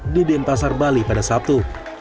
di denpasar bali pada sabtu